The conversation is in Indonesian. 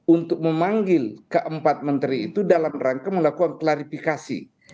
untuk memanggil keempat menteri itu dalam rangka melakukan klarifikasi